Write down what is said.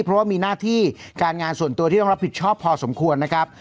เพราะว่ามีหน้าที่การงานส่วนตัวที่ต้องรับผิดชอบพอสมควรนะครับ